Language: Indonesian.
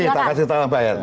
nih kita kasih tambahan